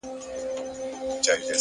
حوصله د سختو حالاتو رڼا ده